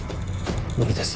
無理です